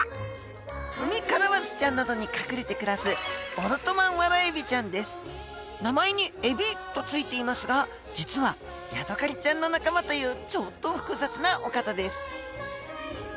ウミカラマツちゃんなどに隠れて暮らす名前に「エビ」と付いていますが実はヤドカリちゃんの仲間というちょっと複雑なお方です。